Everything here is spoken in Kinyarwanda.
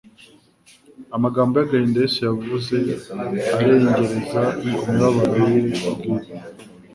Amagambo y'agahinda Yesu yavuze arengereza ku mibabaro ye bwite